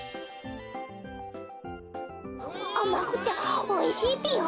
あまくておいしいぴよ！